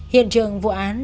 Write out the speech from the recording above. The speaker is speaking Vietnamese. hiện trường vụ án